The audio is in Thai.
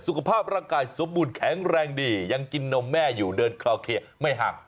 สุขภาพร่างกายสมบูรณแข็งแรงดียังกินนมแม่อยู่เดินคลอเคไม่ห่าง